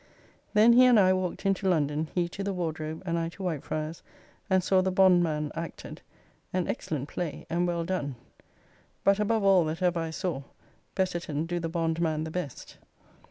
Then he and I walked into London, he to the Wardrobe and I to Whitefryars, and saw "The Bondman" acted; an excellent play and well done. But above all that ever I saw, Betterton do the Bond man the best.